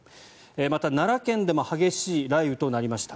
また、奈良県でも激しい雷雨となりました。